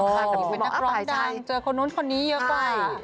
แต่คุณบอกว่าฝ่ายชายเป็นนักร้องดังเจอคนนั้นคนนี้เยอะกว่า